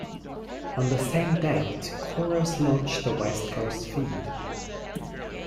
On the same date, Corus launched the west coast feed.